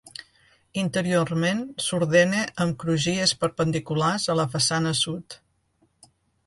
Interiorment s'ordena amb crugies perpendiculars a la façana sud.